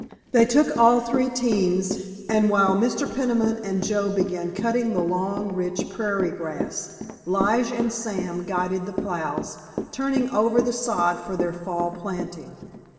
They took all three teams, and while Mr. Peniman and Joe began cutting the long, rich prairie grass Lige and Sam guided the plows, turning over the sod for their fall planting.